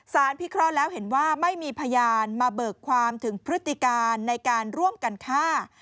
พิเคราะห์แล้วเห็นว่าไม่มีพยานมาเบิกความถึงพฤติการในการร่วมกันฆ่า